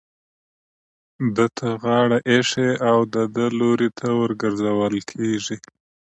ده ته غاړه ايښې او د ده لوري ته ورگرځول كېږي.